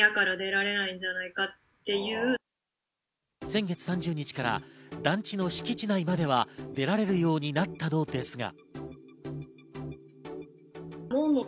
先月３０日から団地の敷地内までは出られるようになったのですが。